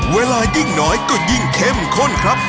เวลายิ่งน้อยก็ยิ่งเข้มข้นครับ